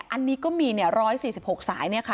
อันนี้ก็มี๑๔๖สาย